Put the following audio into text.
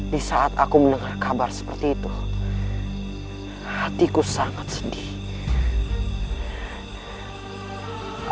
di saat aku mendengar kabar seperti itu hatiku sangat sedih